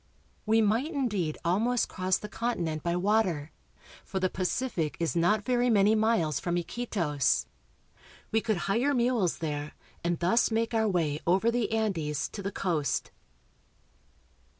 We might indeed almost cross the continent by water, for the Pacific is not very many miles from Iquitos. We could hire mules there and thus make our way over the Andes to the coast.